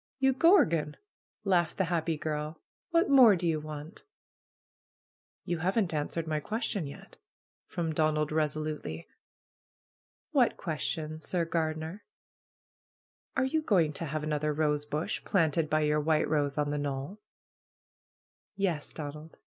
"You gorgon !" laughed the happy girl. "What more do you want?" "You haven't answered my question yet," from Don ald resolutely. "What question, Sir Gardener?" "Are you going to have another rosebush planted by your white rose on the knoll?" "Yes, Donald!"